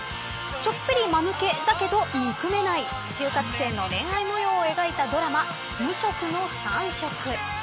ちょっぴり間抜けだけど憎めない就活生の恋愛模様を描いたドラマ無職の三食。